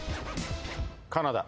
カナダ。